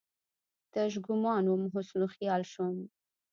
تش ګومان وم، حسن وخیال شوم